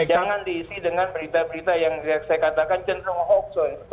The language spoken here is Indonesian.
jangan diisi dengan berita berita yang saya katakan cenderung hoax